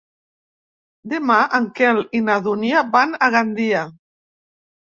Demà en Quel i na Dúnia van a Gandia.